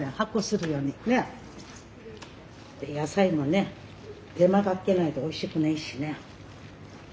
野菜もね手間かけないとおいしくないしね。